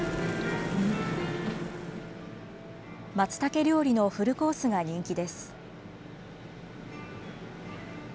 まつたけ料理のフルコースが人気です。